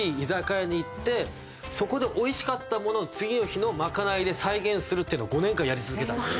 そこで美味しかったものを次の日のまかないで再現するっていうのを５年間やり続けたんですよ。